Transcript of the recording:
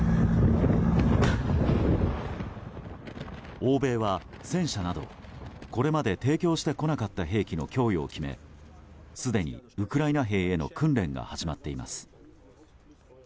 欧米は、戦車などこれまで提供してこなかった兵器の供与を決めすでにウクライナ兵への訓練が始まっています。